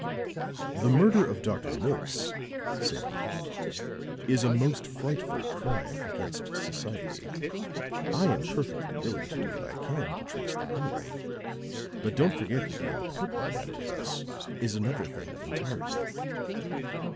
"The murder of Dr. Morse," said he, "is a most frightful crime against society. I am perfectly willing to do what I can to trace the criminal, but don't forget that the important matter with us is another thing entirely."